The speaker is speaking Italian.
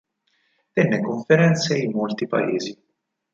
Tenne conferenze in molti paesi.